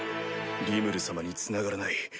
リムル様につながらない。